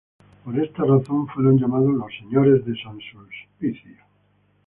Por esta razón fueron llamados los Señores de San Sulpicio.